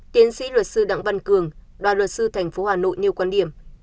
tiến sĩ luật sư đặng văn cường đoàn luật sư tp hà nội nêu quan điểm